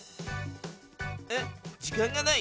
えっ時間がない？